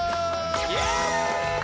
イェーイ！